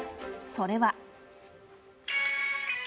それは。